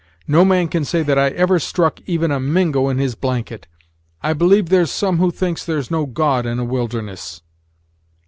No man can say that I ever struck even a Mingo in his blanket. I believe there's some who thinks there's no God in a wilderness!"